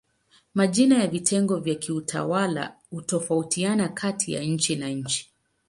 Majina ya vitengo vya kiutawala hutofautiana kati ya nchi na nchi.